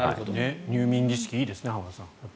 入眠儀式、いいですね浜田さん。